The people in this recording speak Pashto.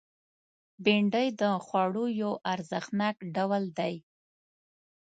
بېنډۍ د خوړو یو ارزښتناک ډول دی